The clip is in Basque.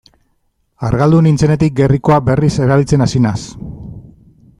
Argaldu nintzenetik gerrikoa berriz erabiltzen hasi naiz.